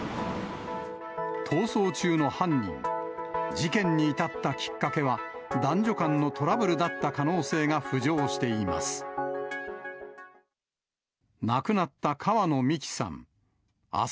逃走中の犯人、事件に至ったきっかけは、男女間のトラブルだった可能性が浮上しています。